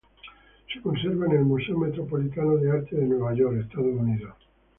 Se conserva en el Museo Metropolitano de Arte de Nueva York, Estados Unidos.